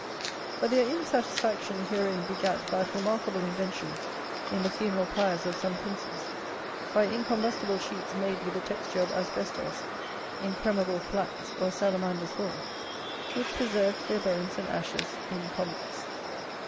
But their insatisfaction herein begat that remarkable invention in the funeral pyres of some princes, by incombustible sheets made with a texture of asbestos, incremable flax, or salamander's wool, which preserved their bones and ashes incommixed.